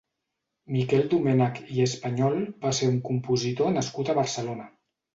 Miquel Domènech i Español va ser un compositor nascut a Barcelona.